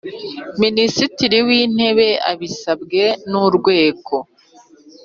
Minisitiri w intebe abisabwe n urwego